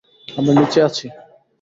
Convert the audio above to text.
আমরা নিচে আছি!